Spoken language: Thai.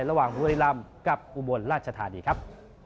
ระหว่างบุรีรำกับอุบลราชธานีครับ